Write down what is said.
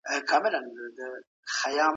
ټاکنې ولي اړيني دي؟